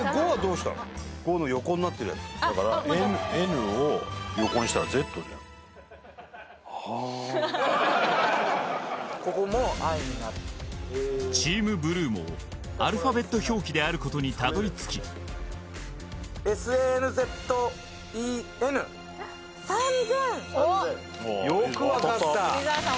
はい５の横になってるやつだから「Ｎ」を横にしたら「Ｚ」じゃんここも「Ｉ」になるＴｅａｍＢｌｕｅもアルファベット表記であることにたどりつき「ＳＡＮＺＥＮ」よくわかった富澤さん